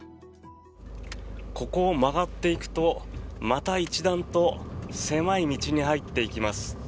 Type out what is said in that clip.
ここを曲がっていくとまた一段と狭い道に入っていきます。